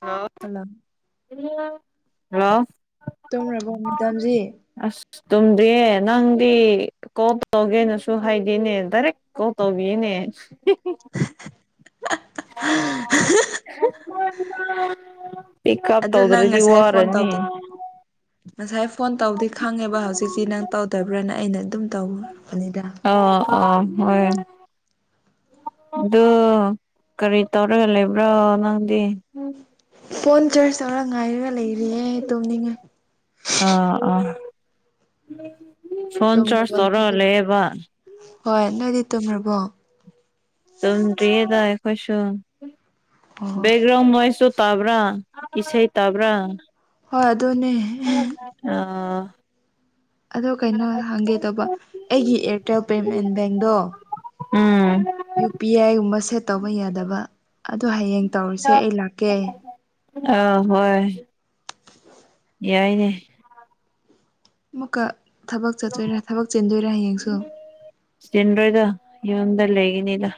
hello hello hello ꯇꯨꯝꯔꯕꯣ ꯃꯦꯗꯥꯝꯖꯤ ꯇꯨꯝꯗꯔꯤꯌꯦ ꯅꯪꯗꯤ ꯀꯣꯜ ꯇꯧꯒꯦꯅꯁꯨ ꯍꯥꯏꯗꯦꯅꯦ ꯗꯥꯏꯔꯦꯛ ꯀꯣꯜ ꯇꯧꯕꯤꯌꯦꯅꯦ [inaudible] [unintelligible] ꯑꯗꯨ ꯅꯪ ꯇꯧꯗ꯭ꯔꯗꯤ ꯉꯁꯥꯏ ꯐꯣꯟ ꯋꯥꯔꯅꯤ ꯇꯧꯗꯦ ꯉꯁꯥꯏ ꯐꯣꯟ ꯇꯧꯕꯗꯤ ꯈꯪꯉꯦꯕ ꯍꯧꯖꯤꯛꯇꯤ ꯅꯪ ꯇꯧꯗꯕ꯭ꯔꯅ ꯑꯩꯅ ꯑꯗꯨꯝ ꯇꯧꯔꯕꯅꯤꯗ ꯑꯣ ꯑꯣ ꯗꯨ ꯀꯔꯤ ꯇꯧꯔꯒ ꯂꯩꯕ꯭ꯔꯣ ꯅꯪꯗꯤ ꯐꯣꯟ ꯆꯔ꯭ꯥꯖ ꯇꯧꯔ ꯉꯥꯏꯔꯒ ꯂꯩꯔꯤꯌꯦ ꯇꯨꯝꯅꯤꯡꯉꯦ ꯑꯥ ꯑꯥ ꯐꯣꯟ ꯆꯔ꯭ꯥꯖ ꯇꯨꯝꯔꯕꯣ ꯅꯣꯏꯗꯤ ꯇꯧꯔꯒ ꯂꯩꯌꯦꯕ ꯍꯣꯏ ꯅꯣꯏꯗꯤ ꯇꯨꯝꯔꯥꯕꯣ ꯇꯝꯗ꯭ꯔꯤꯌꯦꯗ ꯑꯈꯣꯏꯁꯨ ꯑꯣ ꯕꯦꯛꯒ꯭ꯔꯥꯎꯟ ꯅꯣꯏꯁꯁꯨ ꯇꯥꯕ꯭ꯔꯥ ꯏꯁꯩ ꯇꯥꯕ꯭ꯔꯥ ꯍꯣꯏ ꯑꯗꯨꯅꯦ ꯑꯥ ꯑꯗꯣ ꯀꯩꯅꯣ ꯍꯪꯒꯦ ꯇꯧꯕ ꯑꯩꯒꯤ ꯑꯦꯌꯥꯔꯇꯦꯜ ꯄꯦꯃꯦꯟ ꯕꯦꯡꯗꯣ ꯎꯝ ꯌꯨ ꯄꯤ ꯑꯥꯏꯒꯨꯝꯕ ꯁꯦꯠ ꯇꯧꯕ ꯌꯥꯗꯕ ꯑꯗꯣ ꯍꯌꯦꯡ ꯇꯧꯔꯁꯦ ꯑꯩ ꯂꯥꯛꯀꯦ ꯑꯥ ꯍꯣꯏ ꯌꯥꯏꯅꯦ ꯑꯃꯨꯛꯀ ꯊꯕꯛ ꯆꯠꯇꯣꯏꯔ ꯊꯕꯛ ꯆꯥꯟꯗꯣꯏꯔꯥ ꯍꯌꯦꯡꯁꯨ ꯆꯤꯟꯗꯣꯏꯗ ꯌꯨꯝꯗ ꯂꯩꯒꯅꯤꯗ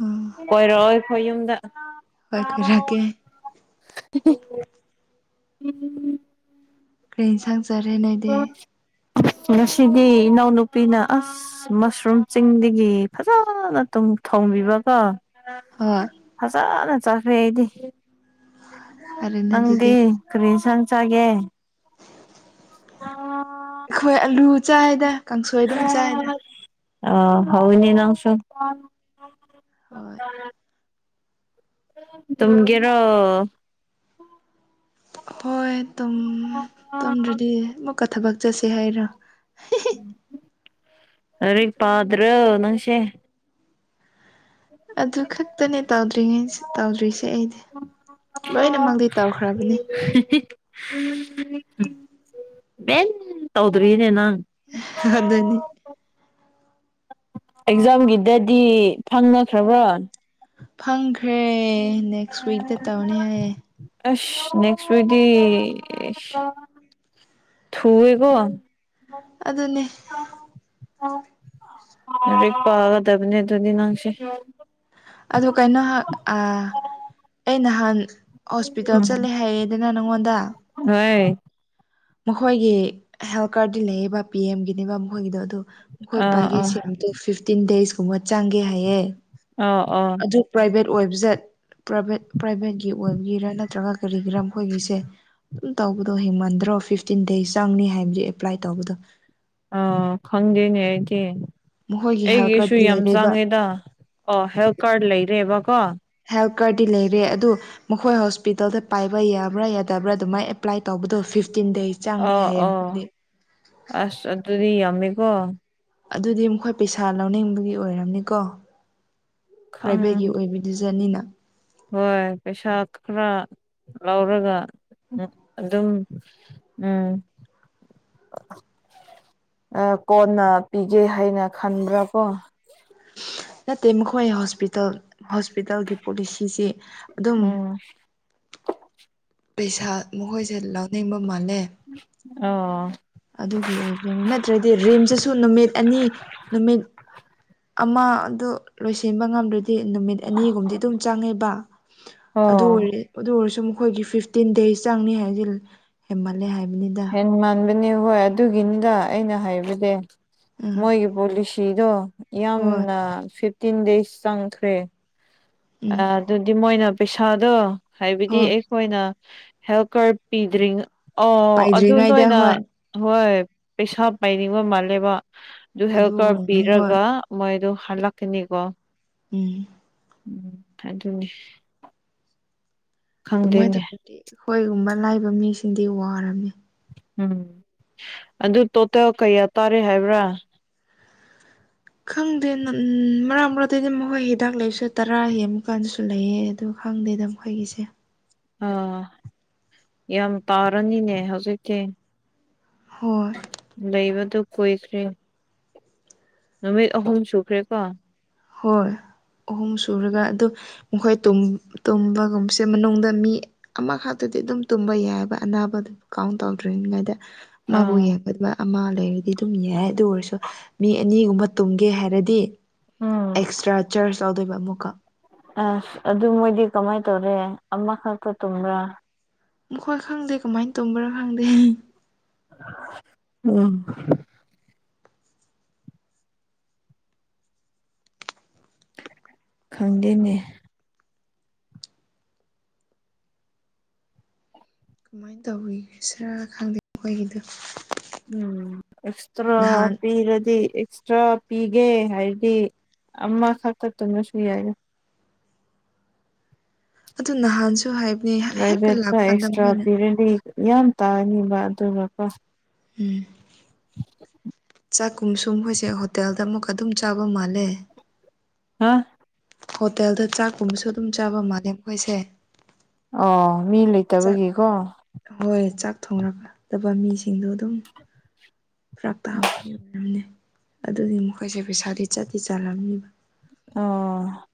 ꯎꯝ ꯀꯣꯏꯔꯛꯑꯣꯏ ꯈꯣꯏ ꯌꯨꯝꯗ ꯍꯣꯏ ꯀꯣꯏꯔꯛꯀꯦ ꯎꯝ [unintelligible] ꯀꯔꯤ ꯏꯟꯁꯥꯡ ꯆꯥꯔꯦ ꯅꯣꯏꯗꯤ ꯉꯁꯤꯗꯤ ꯏꯅꯥꯎꯅꯨꯄꯤꯅ ꯑꯁ ꯃꯁꯔꯨꯝ ꯆꯤꯡꯗꯒꯤ ꯐꯖꯅ ꯇꯨꯝ ꯊꯣꯡ ꯕꯤꯕꯀꯣ ꯍꯣꯏ ꯐꯖꯅ ꯆꯥꯈ꯭ꯔꯦ ꯑꯩꯗꯤ ꯐꯔꯦꯅꯦ ꯑꯗꯨꯗꯤ ꯅꯪꯗꯤ ꯀꯔꯤ ꯏꯟꯁꯥꯡ ꯆꯥꯒꯦ ꯑ [unintelligible] ꯑꯩꯈꯣꯏ ꯑꯂꯨ ꯆꯥꯏꯗ ꯀꯥꯡꯁꯣꯏ ꯑꯗꯨꯝ ꯆꯥꯏꯗ ꯑ ꯍꯥꯎꯋꯤꯅꯦ ꯅꯪꯁꯨꯨ ꯍꯣꯏ ꯇꯨꯝꯒꯦꯔꯣ ꯍꯣꯏ ꯇꯣꯝꯗ꯭ꯔꯗꯤ ꯑꯃꯨꯛꯀ ꯊꯕꯛ ꯆꯠꯁꯦ ꯍꯥꯏꯔꯣ ꯑꯔꯤꯛ ꯄꯥꯗ꯭ꯔꯣ ꯅꯪꯁꯦ ꯑꯗꯨ ꯈꯛꯇꯅꯦ ꯇꯧꯗ꯭ꯔꯤꯉꯩ ꯇꯧꯗ꯭ꯔꯤꯁꯦ ꯑꯩꯗꯤ ꯂꯣꯏꯅꯃꯪꯗꯤ ꯇꯧꯈ꯭ꯔꯕꯅꯤ ꯚꯦꯟ ꯇꯧꯗ꯭ꯔꯤꯅꯦ ꯅꯪ ꯑꯗꯨꯅꯤ ꯑꯦꯛꯖꯥꯝꯒꯤꯗꯗꯤ ꯐꯪꯅꯈ꯭ꯔꯕ꯭ꯔꯣ ꯐꯪꯈ꯭ꯔꯦ ꯅꯦꯛꯁ ꯋꯤꯛꯇ ꯇꯧꯅꯤ ꯍꯥꯏꯌꯦ ꯑꯁ ꯅꯦꯛꯁ ꯋꯤꯛꯗꯤ ꯊꯨꯋꯦꯀꯣ ꯑꯗꯨꯅꯦ ꯂꯥꯢꯔꯤꯛ ꯄꯥꯒꯗꯕꯅꯦ ꯑꯗꯨꯗꯤ ꯅꯪꯁꯦ ꯑꯗꯨ ꯀꯩꯅꯣ ꯍꯥꯛ ꯑ ꯑꯩ ꯅꯍꯥꯟ ꯍꯣꯁꯄꯤꯇꯥꯜ ꯆꯠꯂꯦ ꯍꯥꯏꯌꯦ ꯅ ꯅꯉꯣꯟꯗ ꯍꯩ ꯃꯈꯣꯏꯒꯤ ꯍꯦꯜꯊ ꯀꯥꯔꯗꯤ ꯂꯩꯌꯦꯕ ꯄꯤ ꯑꯦꯝꯒꯤꯅꯦꯕꯥ ꯃꯈꯣꯏꯒꯤꯗꯣ ꯑꯗꯨ ꯈꯣꯏ ꯑꯥ ꯄꯥꯒꯤ ꯑꯥ ꯁꯦꯝꯗꯣ ꯐꯤꯐꯇꯤꯟ ꯗꯦꯁ ꯀꯨꯝꯕ ꯆꯪꯒꯦ ꯍꯥꯏꯌꯦ ꯑꯧ ꯑꯧ ꯑꯣꯏꯕꯖꯦꯠ ꯄ꯭ꯔꯥꯚꯦꯠ ꯄ꯭ꯔꯥꯚꯦꯠꯀꯤ ꯑꯣꯏꯕꯒꯤꯔꯥ ꯅꯠꯇ꯭ꯔꯒ ꯀꯔꯤꯒꯤꯔꯥ ꯃꯈꯣꯏꯒꯤꯁꯦ ꯑꯗꯨꯝ ꯇꯧꯕꯗꯣ ꯍꯦꯟꯃꯟꯗ꯭ꯔꯣ ꯐꯤꯐꯇꯤꯟ ꯗꯦꯖ ꯆꯪꯅꯤ ꯍꯥꯏꯕꯗꯤ ꯑꯦꯄ꯭ꯂꯥꯏ ꯇꯧꯕꯗꯣ ꯑ ꯈꯪꯗꯦꯅꯦ ꯑꯩꯇꯤ ꯃꯈꯣꯏꯒꯤ ꯍꯦꯜꯊ ꯑꯩꯒꯤꯁꯨ ꯀꯥꯔꯗꯤ ꯌꯥꯝ ꯂꯩꯔꯦꯕ ꯆꯥꯡꯉꯦꯗ ꯑꯣ ꯍꯦꯜꯊ ꯀꯥꯔꯗ ꯂꯩꯔꯦꯕꯀꯣ ꯍꯦꯜ ꯀꯥꯔꯗꯤ ꯂꯩꯔꯦ ꯑꯗꯨ ꯃꯈꯣꯏ ꯍꯣꯁꯄꯤꯇꯥꯜꯗ ꯄꯥꯏꯕ ꯌꯥꯕ꯭ꯔꯥ ꯌꯥꯗꯕ꯭ꯔꯥ ꯑꯗꯨꯃꯥꯏꯅ ꯑꯦꯄ꯭ꯂꯥꯏ ꯇꯧꯕꯗꯣ ꯐꯤꯐ ꯑꯣ ꯑꯣ ꯑꯁ ꯑꯗꯨꯗꯤ ꯌꯥꯝꯃꯦꯀꯣ ꯑꯗꯨꯗꯤ ꯃꯈꯣꯏ ꯄꯩꯁꯥ ꯂꯧꯅꯤꯡꯕꯒꯤ ꯑꯣꯏꯔꯝꯅꯤꯀꯣ ꯈꯪ ꯄ꯭ꯔꯥꯏꯚꯦꯠꯀꯤ ꯑꯣꯏꯕꯗꯤ ꯗꯅꯤꯅ ꯍꯣꯏ ꯄꯩꯁꯥ ꯈꯔ ꯂꯧꯔꯒ ꯎꯝ ꯑꯗꯨꯝ ꯎꯝ ꯑ ꯀꯣꯟꯅ ꯄꯤꯒꯦ ꯍꯥꯏꯅ ꯈꯟꯕ꯭ꯔꯥ ꯀꯣ ꯅꯠꯇꯦ ꯃꯈꯣꯏ ꯍꯣꯁꯄꯤꯇꯥꯜ ꯍꯣꯁꯄꯤꯇꯥꯜꯒꯤ ꯄꯣꯂꯤꯁꯤꯁꯦ ꯎꯝ ꯄꯩꯁꯥ ꯃꯈꯣꯏꯁꯦ ꯂꯧꯅꯤꯡꯕ ꯃꯥꯜꯂꯦ ꯑꯣ ꯑꯗꯨꯒꯤ ꯑꯣꯏꯕꯅꯤ ꯅꯠꯇ꯭ꯔꯗꯤ ꯔꯤꯝꯁꯇꯁꯨ ꯅꯨꯃꯤꯠ ꯑꯅꯤ ꯅꯨꯃꯤꯠ ꯑꯃ ꯑꯗꯨ ꯂꯣꯏꯁꯤꯟꯕ ꯉꯝꯗꯔꯗꯤ ꯗꯤ ꯅꯨꯃꯤꯠ ꯑꯅꯤꯒꯨꯝꯕꯗꯤ ꯑꯗꯨꯝ ꯆꯪꯉꯦꯕ ꯑꯣ ꯑꯗꯨ ꯑꯣꯏꯔꯦ ꯑꯗꯨ ꯑꯣꯏꯔꯁꯨ ꯃꯨꯛ ꯑꯩꯈꯣꯏꯒꯤ ꯐꯤꯐꯇꯤꯟ ꯗꯦꯁ ꯆꯪꯅꯤ ꯍꯥꯏꯗꯤ ꯍꯦꯃꯜꯂꯦ ꯍꯥꯏꯕꯅꯤꯗ ꯅꯦ ꯍꯣꯏ ꯑꯗꯨꯒꯤꯅꯤꯗ ꯑꯩꯅ ꯍꯥꯏꯕꯗꯤ ꯎꯝ ꯃꯣꯏꯒꯤ ꯄꯣꯂꯤꯁꯤꯗꯣ ꯍꯣꯏ ꯌꯥꯝꯅ ꯐꯤꯐꯇꯤꯟ ꯗꯦꯁ ꯆꯪꯈ꯭ꯔꯦ ꯎꯝ ꯑꯥ ꯑꯗꯨꯗꯤ ꯃꯣꯏꯅ ꯄꯩꯁꯥꯗꯣ ꯍꯥꯏꯕꯗꯤ ꯍꯣꯏ ꯑꯈꯣꯏꯅ ꯍꯦꯜ ꯀꯥꯔꯠ ꯄꯤꯗ꯭ꯔꯤ ꯑꯣ ꯑꯗꯨ ꯄꯥꯏꯗ꯭ꯔꯤꯉꯩꯗ ꯅꯣꯏꯅ ꯍꯣꯏ ꯍꯣꯏ ꯄꯩꯁꯥ ꯄꯥꯏꯅꯤꯡꯕ ꯃꯥꯜꯂꯦꯕ ꯑꯗꯨ ꯍꯦꯜꯄ ꯀꯥꯔꯠ ꯑꯣꯏꯔꯅꯤ ꯍꯣꯏ ꯄꯤꯔꯒ ꯃꯣꯏꯗꯨ ꯍꯜꯂꯛꯀꯅꯤꯀꯣ ꯎꯝ ꯎꯝ ꯑꯗꯨꯅꯦ ꯑꯗꯨꯃꯥꯏꯅ ꯇꯧꯔꯗꯤ ꯑꯩꯈꯣꯏꯒꯨꯝꯕ ꯂꯥꯏꯕ ꯃꯤꯁꯤꯡꯗꯤ ꯋꯥꯔꯝꯅꯤ ꯎꯝ ꯑꯗꯨ ꯇꯣꯇꯦꯜ ꯀꯌꯥ ꯇꯥꯔꯦ ꯍꯥꯏꯕ꯭ꯔꯥ ꯈꯪꯗꯦ ꯅ ꯃꯔꯛ ꯃꯔꯛꯇꯗꯤ ꯃꯈꯣꯏ ꯍꯤꯗꯥꯛ ꯂꯩꯕꯁꯨ ꯇꯔꯥ ꯍꯦꯡꯕ ꯀꯥꯟꯗꯁꯨ ꯂꯩꯌꯦ ꯑꯗꯨ ꯈꯪꯗꯦꯗ ꯃꯈꯣꯏꯒꯤꯁꯦ ꯑꯥ ꯌꯥꯝ ꯄꯥꯔꯅꯤꯅꯦ ꯍꯧꯖꯤꯛꯀꯤ ꯍꯣꯏ ꯂꯩꯕꯗꯨ ꯀꯣꯏꯈ꯭ꯔꯦ ꯅꯨꯃꯤꯠ ꯑꯍꯨꯝ ꯁꯨꯈ꯭ꯔꯦꯀꯣ ꯍꯣꯏ ꯑꯍꯨꯝ ꯁꯨꯔꯒ ꯑꯗꯨ ꯃꯈꯣꯏ ꯇꯨꯝ ꯇꯨꯝꯕꯒꯨꯝꯕꯁꯦ ꯃꯅꯨꯡꯗ ꯃꯤ ꯑꯃꯈꯛꯇ ꯍꯥꯏꯗꯤ ꯑꯗꯨꯝ ꯇꯨꯝꯕ ꯌꯥꯏꯌꯦꯕ ꯑꯅꯥꯕ ꯀꯥꯎꯟ ꯇꯧꯗ꯭ꯔꯤꯉꯩꯗ ꯑꯥ ꯃꯥꯕꯨ ꯌꯦꯛꯀꯠꯄ ꯑꯃ ꯂꯩꯔꯗꯤ ꯑꯗꯨꯝ ꯌꯥꯏ ꯑꯗꯨ ꯑꯣꯏꯔꯁꯨ ꯃꯤ ꯑꯅꯤꯒꯨꯝꯕ ꯇꯨꯝꯒꯦ ꯍꯥꯏꯔꯗꯤ ꯎꯝ ꯑꯦꯛꯁꯇ꯭ꯔꯥ ꯆꯥꯔꯖ ꯌꯥꯎꯗꯣꯏꯕ ꯑꯃꯨꯛꯀ ꯑꯁ ꯑꯗꯨ ꯃꯣꯏꯗꯤ ꯀꯃꯥꯏꯅ ꯇꯧꯔꯦ ꯑꯃꯈꯛꯇ ꯇꯨꯝꯕ꯭ꯔꯥ ꯃꯈꯣꯏ ꯈꯪꯗꯦ ꯀꯃꯥꯏꯅ ꯇꯨꯝꯕ꯭ꯔꯥ ꯈꯪꯗꯦ ꯎꯝ ꯈꯪꯗꯦꯅꯦ ꯀꯃꯥꯏꯅ ꯇꯧꯔꯤ ꯁꯔ ꯈꯪꯗꯦ ꯃꯈꯣꯏꯒꯤꯗꯣ ꯎꯝ ꯑꯦꯛꯁꯇ꯭ꯔꯥ ꯅꯍꯥꯟ ꯄꯤꯔꯗꯤ ꯑꯦꯛꯁꯇ꯭ꯔꯥ ꯄꯤꯒꯦ ꯍꯥꯏꯗꯤ ꯑꯃꯈꯛꯇ ꯇꯨꯝꯔꯁꯨ ꯌꯥꯏꯌꯦ ꯑꯗꯨ ꯅꯍꯥꯟꯁꯨ ꯍꯥꯏ ꯄꯔꯥꯏꯠꯕꯦꯠꯇ ꯑꯦꯛꯁꯇ꯭ꯔꯥ ꯄꯤꯔꯗꯤ ꯌꯥꯝ ꯇꯥꯒꯅꯤꯕ ꯑꯗꯨꯒꯀꯣ ꯎꯝ ꯆꯥꯛꯀꯨꯝ ꯁꯨꯝ ꯍꯣꯏꯁꯦ ꯍꯣꯇꯦꯜꯗ ꯑꯃꯨꯛꯀ ꯑꯗꯨꯝ ꯆꯥꯕ ꯃꯥꯜꯂꯦ ꯍꯥ ꯍꯣꯇꯦꯜꯗ ꯆꯥꯛꯀꯨꯝꯕꯁꯨ ꯑꯗꯨꯝ ꯆꯥꯕ ꯃꯥꯜꯂꯦ ꯃꯣꯏꯁꯦ ꯑꯣ ꯃꯤ ꯂꯩꯇꯕꯒꯤꯀꯣ ꯊꯣꯡꯔꯛꯔꯛꯇꯕ ꯃꯤꯁꯤꯡꯗꯨ ꯑꯗꯨꯝ ꯐꯔꯛ ꯇꯥꯕꯒꯤ ꯑꯣꯏꯔꯝꯅꯤ ꯑꯗꯨꯗꯤ ꯃꯈꯣꯏꯁꯦ ꯄꯩꯁꯥꯗꯤ ꯆꯠꯇꯤ ꯆꯜꯂꯝꯅꯤꯕ ꯑꯣ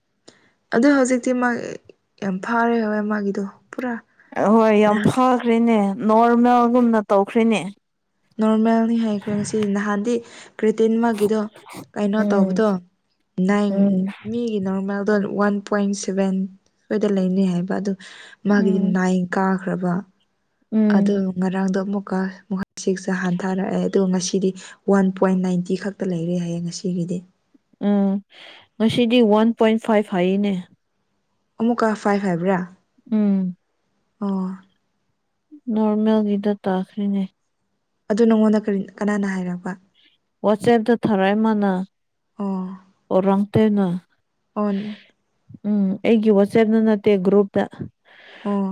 ꯑꯗꯨ ꯍꯧꯖꯤꯛꯇꯤ ꯃꯥꯏ ꯌꯥꯝ ꯐꯥꯔꯦ ꯍꯣꯏ ꯃꯥꯒꯤꯗꯨ ꯍꯣꯏ ꯌꯥꯝ ꯐꯈ꯭ꯔꯦꯅꯦ ꯅꯣꯔꯃꯦꯜꯒꯨꯝꯅ ꯇꯧꯈ꯭ꯔꯦꯅꯦ ꯅꯣꯔꯃꯦꯜꯅꯤ ꯍꯥꯏꯈ꯭ꯔꯦ ꯉꯁꯤꯗꯤ ꯅꯍꯥꯟꯗꯤ ꯀ꯭ꯔꯤꯇꯤꯟꯃꯒꯤꯗꯣ ꯀꯩꯅꯣ ꯎꯝ ꯇꯧꯕꯗꯣ ꯅꯪ ꯎꯝ ꯃꯤꯒꯤ ꯅꯣꯔꯃꯦꯜꯗꯣ ꯋꯥꯟ ꯄꯣꯏꯟ ꯁꯚꯦꯟ ꯁꯣꯏꯗ ꯂꯩꯅꯩ ꯍꯥꯏꯕ ꯑꯗꯨ ꯃꯥꯒꯤꯗꯤ ꯎꯝ ꯅꯥꯏꯟ ꯀꯥ ꯈ꯭ꯔꯕ ꯑꯗꯣ ꯎꯝ ꯉꯔꯥꯡꯗꯣ ꯑꯃꯨꯛꯀ ꯁꯤꯛꯁꯇ ꯍꯟꯊꯔꯛꯑꯦ ꯑꯗꯨꯒ ꯉꯁꯤ ꯗꯤ ꯋꯥꯟ ꯄꯣꯏꯟ ꯅꯥꯏꯟꯇꯤ ꯈꯛꯇ ꯂꯩꯔꯦ ꯍꯥꯏꯌꯦ ꯉꯁꯤꯒꯤꯗꯤ ꯎꯝ ꯉꯁꯤꯗꯤ ꯋꯥꯟ ꯄꯣꯏꯟ ꯐꯥꯏꯚ ꯍꯥꯏꯅꯦ ꯑꯃꯨꯛꯀ ꯐꯥꯏꯚ ꯍꯥꯏꯕ꯭ꯔꯥ ꯎꯝ ꯑꯣ ꯅꯣꯔꯃꯦꯜꯒꯤꯗ ꯇꯥꯈ꯭ꯔꯦꯅꯦ ꯑꯗꯨ ꯅꯪꯉꯣꯟꯗ ꯀꯔꯤ ꯀꯅꯥꯅ ꯍꯥꯏꯔꯛꯄ ꯋꯥ ꯆꯦꯞꯗ ꯊꯥꯔꯛꯑꯦ ꯃꯥꯅ ꯑꯣ ꯑꯣꯔꯥꯡ ꯇꯦꯅ ꯑꯣ ꯎꯝ ꯑꯩꯒꯤ ꯋꯥꯆꯦꯞꯇ ꯅꯠꯇꯦ ꯒ꯭ꯔꯨꯞꯇ ꯑꯣ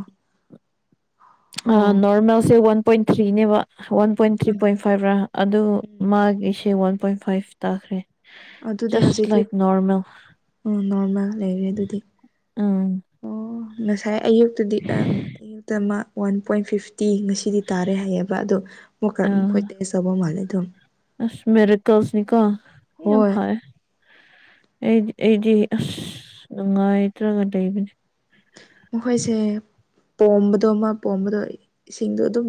ꯑꯣ ꯅꯣꯔꯃꯦꯜꯁꯦ ꯋꯥꯟ ꯄꯣꯏꯟ ꯊ꯭ꯔꯤꯅꯦꯕ ꯋꯥꯟ ꯄꯣꯏꯟ ꯊ꯭ꯔꯤ ꯄꯣꯏꯟ ꯐꯥꯏꯚꯔꯥ ꯑꯗꯨ ꯃꯥꯒꯤꯁꯦ ꯋꯥꯟ ꯄꯣꯏꯟ ꯐꯥꯏꯚ ꯇꯥꯈ꯭ꯔꯦ ꯑꯗꯨꯗꯤ ꯖꯁ ꯍꯧꯖꯤꯛꯇꯤ ꯂꯥꯏꯛ ꯅꯣꯔꯃꯦꯜ ꯎꯝ ꯅꯣꯔꯃꯦꯜ ꯂꯩꯔꯦ ꯑꯗꯨꯗꯤ ꯎꯝ ꯑꯣ ꯉꯁꯥꯏ ꯑꯌꯨꯛꯇꯗꯤ ꯑꯝ ꯑꯌꯨꯛꯇ ꯑꯃ ꯋꯥꯟ ꯄꯣꯏꯟ ꯐꯤꯐ ꯇꯤ ꯉꯁꯤꯗꯤ ꯇꯥꯔꯦ ꯍꯥꯏꯌꯦꯕ ꯑꯗꯣ ꯃꯨꯛꯀ ꯃꯈꯣꯏ ꯑꯥ ꯇꯦꯁ ꯇꯧꯕ ꯃꯥꯜꯂꯦ ꯑꯗꯨꯝ ꯑꯁ ꯃꯦꯔꯥꯀꯜꯁꯅꯤꯀꯣ ꯌꯥꯝ ꯍꯣꯏ ꯐꯩꯑꯦ ꯑꯩꯗꯤ ꯑꯩꯗꯤ ꯑꯁ ꯅꯨꯉꯥꯏꯇ꯭ꯔꯒ ꯂꯩꯕꯅꯦ ꯃꯈꯣꯏꯁꯦ ꯄꯣꯝꯕꯗꯣ ꯑꯃ ꯄꯣꯝꯕꯗꯣ ꯏꯁꯤꯡꯗꯣ ꯑꯗꯨꯝ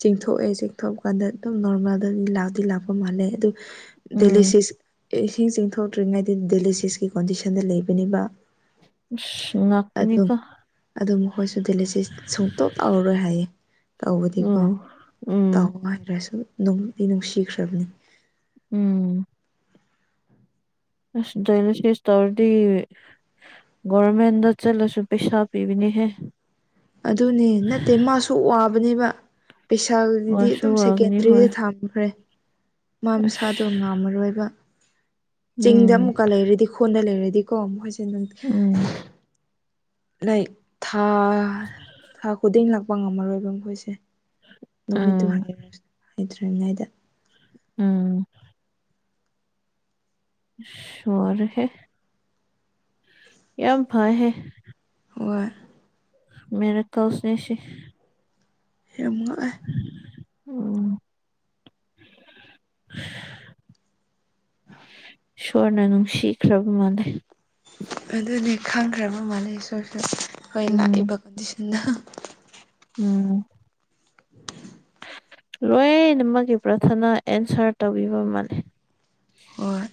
ꯆꯤꯡꯊꯣꯛꯑꯦ ꯆꯤꯡꯊꯣꯛꯄꯀꯥꯟꯗ ꯑꯗꯨꯝ ꯅꯣꯔꯃꯦꯜꯗ ꯂꯥꯛꯗꯤ ꯂꯥꯛꯄ ꯃꯥꯜꯂꯦ ꯑꯗꯨ ꯎꯝ ꯗꯦꯂꯤꯁꯤꯁ ꯏꯁꯤꯡ ꯆꯤꯡꯊꯣꯛꯇ꯭ꯔꯤꯉꯩꯗ ꯗꯦꯂꯤꯁꯤꯁꯀꯤ ꯀꯣꯟꯗꯤꯁꯟꯗ ꯂꯩꯕꯅꯦꯕ ꯏꯁ ꯉꯛꯄꯅꯤꯀꯣ ꯑꯈꯣꯏꯁꯨ ꯗꯦꯜꯂꯤꯁꯤꯁ ꯁꯨꯡꯇꯧ ꯇꯧꯔꯔꯣꯏ ꯍꯥꯏꯌꯦ ꯇꯧꯕꯗꯤꯀꯣ ꯎꯝ ꯎꯝ ꯇꯧꯕꯀꯥꯟꯗꯁꯨ ꯅꯨꯡꯗꯤ ꯅꯨꯡꯁꯤꯈ꯭ꯔꯕꯅꯦ ꯎꯝ ꯑꯁ ꯗꯥꯢꯂꯥꯏꯁꯤꯁ ꯇꯧꯔꯗꯤ ꯒꯣꯔꯃꯦꯟꯗ ꯆꯠꯂꯁꯨ ꯄꯩꯁꯥ ꯄꯤꯕꯅꯤ ꯍꯦ ꯑꯗꯨꯅꯦ ꯅꯠꯇꯦ ꯃꯥꯁꯨ ꯋꯥꯕꯅꯦꯕ ꯄꯩꯁꯥꯗꯨꯗꯤ ꯋꯥꯁꯨ ꯑꯗꯨꯝ ꯋꯥꯒꯅꯤ ꯁꯦꯀꯦꯟꯗ꯭ꯔꯤꯗ ꯍꯣꯏ ꯊꯝꯈ꯭ꯔꯦ ꯃꯥ ꯃꯁꯥꯗꯣ ꯑꯁ ꯉꯥꯝꯃꯔꯣꯏꯕ ꯆꯤꯡꯗ ꯎꯝ ꯑꯃꯨꯛꯀ ꯂꯩꯔꯗꯤ ꯈꯨꯟꯗ ꯂꯩꯔꯗꯤꯀꯣ ꯃꯈꯣꯏꯁꯦ ꯅꯨꯡ ꯎꯝ ꯂꯥꯏꯛ ꯊꯥ ꯊꯥ ꯈꯨꯗꯤꯡ ꯂꯥꯛꯄ ꯉꯝꯃꯔꯣꯏꯕ ꯃꯈꯣꯏꯁꯦ ꯅꯨꯃꯤꯠꯇꯨ ꯎꯝ ꯍꯥꯏꯔ ꯍꯥꯏꯗ꯭ꯔꯤꯉꯩꯗ ꯎꯝ ꯑꯁ ꯋꯥꯔꯦꯍꯦ ꯌꯥꯝ ꯐꯩꯍꯦ ꯍꯣꯏ ꯃꯦꯔꯥꯀꯜꯁꯅꯦ ꯁꯦ ꯌꯥꯝ ꯉꯛꯑꯦ ꯎꯝ ꯏꯁꯣꯔꯅ ꯅꯨꯡꯁꯤꯈ꯭ꯔꯕ ꯃꯥꯜꯂꯦ ꯑꯗꯨꯅꯦ ꯈꯪꯈ꯭ꯔꯕ ꯃꯥꯜꯂꯦ ꯏꯁꯣꯔꯁꯨ ꯈꯣꯏ ꯎꯝ ꯂꯥꯛꯏꯕ ꯀꯗꯤꯁ ꯅꯍ ꯎꯝ ꯂꯣꯏꯅꯃꯛꯒꯤ ꯄ꯭ꯔꯊꯅ ꯑꯦꯟꯁꯔ ꯇꯧꯕꯤꯕ ꯃꯥꯜꯂꯦ ꯍꯣꯏ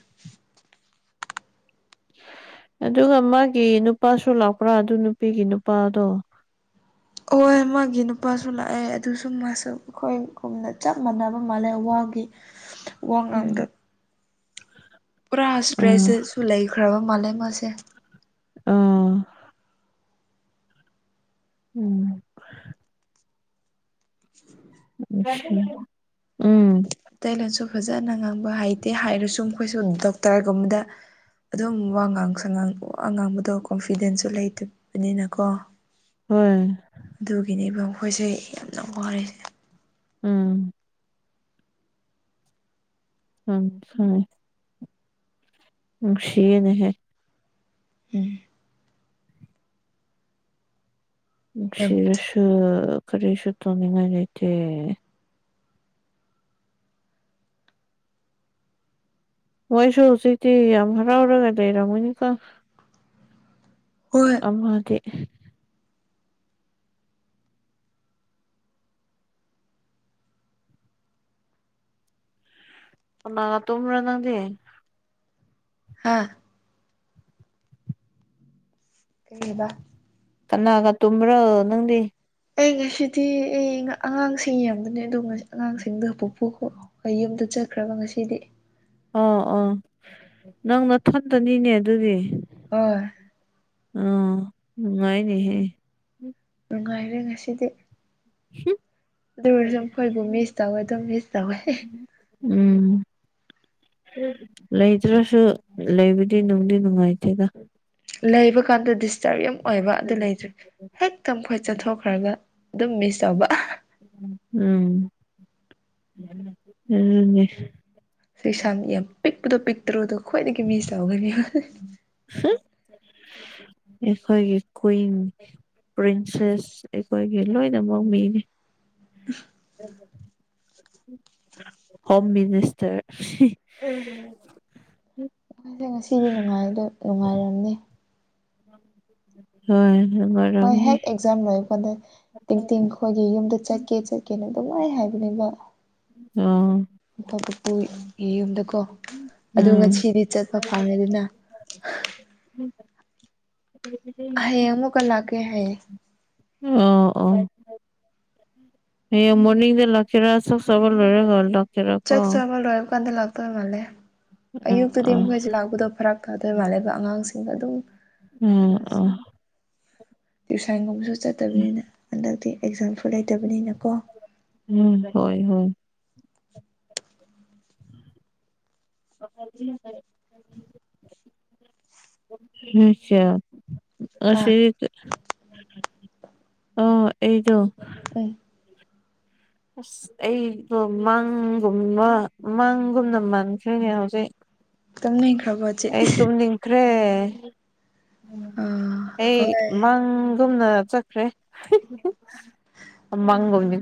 [inaudible] ꯑꯗꯨꯒ ꯃꯥꯒꯤ ꯅꯨꯄꯥꯁꯨ ꯂꯥꯛꯄ꯭ꯔꯥ ꯑꯗꯨ ꯅꯨꯄꯤꯒꯤ ꯅꯨꯄꯥꯗꯣ ꯍꯣꯏ ꯃꯥꯒꯤ ꯅꯨꯄꯥꯁꯨ ꯂꯥꯛꯑꯦ ꯑꯗꯨꯁꯨ ꯃꯥꯁꯨ ꯑꯩꯈꯣꯏꯒꯨꯝꯅ ꯆꯞ ꯃꯥꯟꯅꯕ ꯃꯥꯜꯂꯦ ꯋꯥ ꯋꯥ ꯉꯥꯡꯗ ꯎꯝ ꯄꯨꯔꯥ ꯑꯥ ꯁꯇ꯭ꯔꯦꯁꯤꯁꯨ ꯂꯩꯈ꯭ꯔꯕ ꯃꯥꯂꯦ ꯃꯥꯁꯦ ꯑꯥ ꯎꯝ ꯎꯝ ꯃꯩꯇꯩꯂꯣꯟꯁꯨ ꯐꯖꯅ ꯉꯥꯡꯕ ꯍꯩꯇꯦ ꯍꯥꯏꯔꯁꯨ ꯃꯈꯣꯏꯁꯨ ꯗꯣꯛꯇꯔꯒꯨꯝꯕꯗ ꯑꯗꯨꯝ ꯋꯥ ꯉꯥꯡꯁꯪ ꯉꯥꯡ ꯋꯥ ꯉꯥꯡꯕꯗꯣ ꯀꯣꯟꯐꯤꯗꯦꯟꯁꯁꯨ ꯂꯩꯇꯕꯅꯤꯅꯀꯣ ꯍꯣꯏ ꯑꯗꯨꯒꯤꯅꯦꯕ ꯃꯈꯣꯏꯁꯦ ꯌꯥꯝꯅ ꯋꯥꯔꯦ ꯎꯝ ꯎꯝ ꯍꯥꯏ ꯅꯨꯡꯁꯤꯌꯦꯅꯦꯍꯦ ꯎꯝ ꯌꯥꯝꯅ ꯅꯨꯡꯁꯤꯔꯁꯨ ꯊꯤꯅ ꯀꯔꯤꯁꯨ ꯇꯣꯅꯤꯡꯉꯥꯏ ꯂꯩꯇꯦ ꯃꯣꯏꯁꯨ ꯍꯧꯖꯤꯇꯤ ꯌꯥꯝ ꯍꯔꯥꯎꯔꯒ ꯂꯩꯔꯝꯃꯅꯤꯀꯣ ꯍꯣꯏ ꯑꯃꯗꯤ ꯀꯅꯥꯒ ꯇꯨꯝꯕ꯭ꯔꯥ ꯅꯪꯗꯤ ꯍꯥꯥ ꯀꯩꯌꯕ ꯀꯅꯥꯒ ꯇꯨꯝꯕ꯭ꯔꯣ ꯅꯪꯗꯤ ꯑꯩ ꯉꯁꯤꯗꯤ ꯑꯩ ꯑꯉꯥꯡꯁꯤꯡ ꯌꯦꯡꯕꯅꯦ ꯑꯗꯨꯗꯣ ꯉꯁꯤ ꯑꯉꯥꯡꯁꯤꯡꯗ ꯄꯣꯄꯨ ꯑꯩ ꯌꯨꯝꯗ ꯆꯠꯈ꯭ꯔꯕ ꯉꯁꯤꯗꯤ ꯑꯥ ꯑꯥ ꯅꯪ ꯅꯊꯣꯟꯗꯅꯤꯅꯦ ꯑꯗꯨꯗꯤ ꯍꯣꯏ ꯑꯥ ꯅꯨꯡꯉꯥꯏꯅꯦꯍꯦ ꯅꯨꯡꯉꯥꯏꯔꯦ ꯉꯁꯤꯗꯤ ꯍꯝ ꯗꯨ ꯑꯣꯏꯔꯁꯨ ꯃꯈꯣꯏꯕꯨ ꯃꯤꯁ ꯇꯧꯋꯦ ꯑꯗꯨꯝ ꯃꯤꯁ ꯇꯧꯋꯦ ꯎꯝ ꯂꯩꯇ꯭ꯔꯁꯨ ꯂꯩꯕꯗꯤ ꯅꯨꯡꯗꯤ ꯅꯨꯡꯉꯥꯏꯇꯦꯗ ꯂꯩꯕ ꯀꯥꯟꯗ ꯗꯤꯁꯇꯔꯕ ꯌꯥꯝ ꯑꯣꯏꯕ ꯑꯗꯨ ꯂꯩꯇ꯭ꯔꯦ ꯍꯦꯛꯇ ꯃꯈꯣꯏ ꯆꯠꯊꯣꯛꯈ꯭ꯔꯒ ꯑꯗꯨꯝ ꯃꯤꯁ ꯇꯧꯕ ꯎꯝ ꯑꯗꯨꯅꯦ ꯁꯩꯁꯥ ꯌꯥꯝ ꯄꯤꯛꯄꯗꯣ ꯄꯤꯛꯇ꯭ꯔꯨꯗꯣ ꯈ꯭ꯋꯥꯏꯗꯒꯤ ꯃꯤꯁ ꯇꯧꯒꯅꯤ ꯍꯝ ꯑꯈꯣꯏꯒꯤ ꯀꯨꯏꯟ ꯄ꯭ꯔꯤꯟꯁꯦꯁ ꯑꯈꯣꯏꯒꯤ ꯂꯣꯏꯅꯃꯛ ꯃꯤꯅꯤ [inaudible] [inaudible] ꯍꯣꯝ ꯃꯤꯅꯤꯁꯇꯔ ꯗꯦ ꯉꯁꯤꯗꯤ ꯅꯨꯡꯉꯥꯏꯕꯗꯣ ꯅꯨꯡꯉꯥꯏꯔꯝꯅꯤ ꯍꯣꯏ ꯃꯣꯏ ꯅꯨꯡꯉꯥꯏꯔꯝꯒꯅꯤ ꯍꯦꯛ ꯑꯦꯛꯖꯥꯝ ꯂꯣꯏꯔꯛꯄꯥꯟꯗ ꯇꯤꯡꯇꯤꯡ ꯈꯣꯏꯒꯤ ꯌꯨꯝꯗ ꯆꯠꯀꯦ ꯆꯠꯀꯦꯅ ꯑꯗꯨꯝꯉꯥꯏ ꯍꯥꯏꯕꯅꯦꯕ ꯑꯣ ꯃꯈꯣꯏ ꯄꯨꯄꯨꯒꯤ ꯌꯨꯝꯗꯀꯣ ꯑꯗꯨ ꯎꯝ ꯉꯁꯤꯗꯤ ꯆꯠꯄ ꯐꯪꯉꯦ ꯗꯅ ꯍ [inaudible] ꯍꯥꯏꯌꯦꯡ ꯑꯃꯨꯛꯀ ꯂꯥꯛꯀꯦ ꯍꯥꯏꯌꯦ ꯑꯣ ꯑꯣ ꯍꯌꯦꯡ ꯃꯣꯔꯅꯤꯡꯗ ꯂꯥꯛꯀꯦꯔ ꯆꯥꯛ ꯆꯥꯕ ꯂꯣꯏꯔꯒ ꯂꯥꯛ ꯆꯥꯛ ꯆꯥꯕ ꯂꯣꯏꯔ ꯀꯥꯟꯗ ꯂꯥꯛꯇꯣ ꯃꯥꯂꯦ ꯎꯝ ꯑꯌꯨꯛꯇꯗꯤ ꯑꯥ ꯃꯈꯣꯏꯁꯦ ꯂꯥꯛꯄꯗꯣ ꯐꯔꯛ ꯇꯥꯗꯣꯏ ꯃꯥꯜꯂꯦ ꯑꯗꯨꯒ ꯑꯉꯥꯡꯁꯤꯡꯒ ꯑꯗꯨꯝ ꯑꯣ ꯑꯣ ꯇ꯭ꯨꯏꯁꯟꯒꯨꯝꯕꯁꯨ ꯆꯠꯇꯕꯅꯤꯅ ꯍꯟꯗꯛꯇꯤ ꯑꯦꯛꯖꯥꯝ ꯂꯩꯇꯕꯅꯤꯅꯀꯣ ꯎꯝ ꯍꯣꯏ ꯍꯣꯏ [inaudible] ꯅꯣꯏ ꯆꯦ ꯑꯥ ꯉꯁꯤ ꯑꯥ ꯑꯩꯗꯣ ꯎꯝ ꯑꯁ ꯑꯩꯗꯣ ꯃꯥꯡꯒꯨꯝꯕ ꯃꯥꯡꯒꯨꯝꯅ ꯃꯥꯟꯈ꯭ꯔꯦꯅꯦ ꯍꯧꯖꯤꯛ ꯇꯨꯝꯅꯤꯡꯈ꯭ꯔꯕꯣ ꯆꯦ ꯑꯩ ꯇꯨꯝꯅꯤꯡꯈ꯭ꯔꯦ ꯑꯥ ꯑꯩ ꯍꯣꯏ ꯃꯪ ꯒꯨꯝꯅ ꯆꯠꯈ꯭ꯔꯦ ꯃꯪꯒꯨꯝꯅꯤ